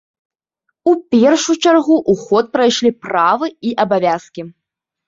У першую чаргу ў ход прайшлі правы і абавязкі.